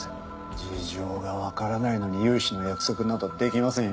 事情がわからないのに融資の約束などできませんよ。